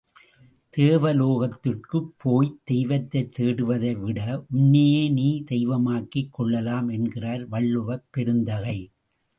தேவலோகத்திற்குப் போய்த் தெய்வத்தைத் தேடுவதை விட உன்னையே நீ தெய்வமாக்கிக் கொள்ளலாம் என்கிறார் வள்ளுவப் பெருந்தகை.